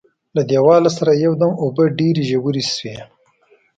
له دیواله سره یو دم اوبه ډېرې ژورې شوې.